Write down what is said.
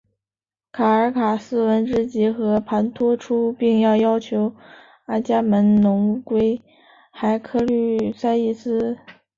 卡尔卡斯闻之即和盘托出并要求阿伽门侬归还克律塞伊斯。